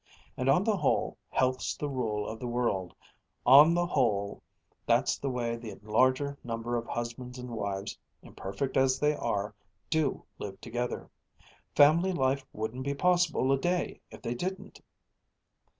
And on the whole health's the rule of the world on the whole, that's the way the larger number of husbands and wives, imperfect as they are, do live together. Family life wouldn't be possible a day if they didn't."